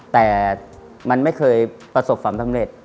แต่มันไม่เคยประสบความสำเร็จ